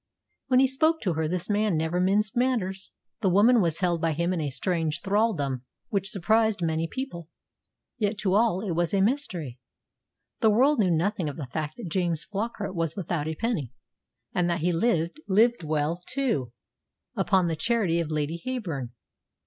When he spoke to her this man never minced matters. The woman was held by him in a strange thraldom which surprised many people; yet to all it was a mystery. The world knew nothing of the fact that James Flockart was without a penny, and that he lived and lived well, too upon the charity of Lady Heyburn.